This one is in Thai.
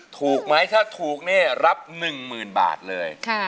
ถูกไหมถ้าถูกเนี่ยรับ๑หมื่นบาทเลย